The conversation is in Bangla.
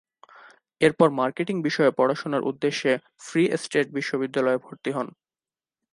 এরপর মার্কেটিং বিষয়ে পড়াশোনার উদ্দেশ্যে ফ্রি স্টেট বিশ্ববিদ্যালয়ে ভর্তি হন।